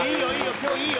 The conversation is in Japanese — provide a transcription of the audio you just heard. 今日いいよ。